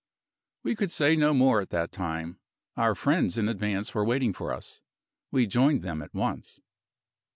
We could say no more at that time. Our friends in advance were waiting for us. We joined them at once.